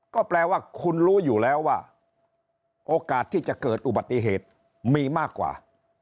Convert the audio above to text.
ก็แปลว่าคุณรู้อยู่แล้วว่าโอกาสที่จะเกิดอุบัติเหตุมีมากกว่า